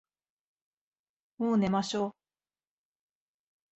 もう寝ましょ。